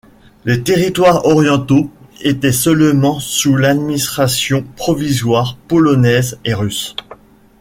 Les territoires orientaux étant seulement sous administration provisoire polonaise et russe.